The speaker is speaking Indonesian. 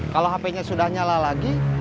kalau hp nya sudah nyala lagi